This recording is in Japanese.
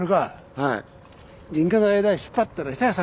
はい。